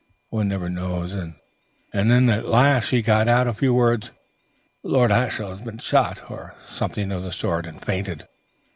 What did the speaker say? One never knows. And then at last she got out a few words, 'Lord Ashiel has been shot,' or something of the sort, and fainted."